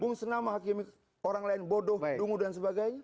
bung senam menghakimi orang lain bodoh dungu dan sebagainya